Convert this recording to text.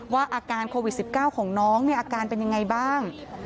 ว่าอาการโควิด๑๙ของน้องอาการเป็นอย่างไรบ้าง